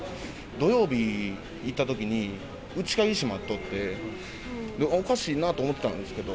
土曜日行ったときに、内鍵閉まっとって、おかしいなと思ったんですけど。